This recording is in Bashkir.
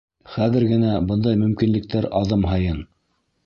Хәҙер генә бындай мөмкинлектәр аҙым һайын.